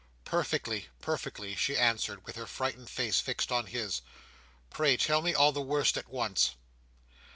"Perfectly, perfectly," she answered, with her frightened face fixed on his. "Pray tell me all the worst at once."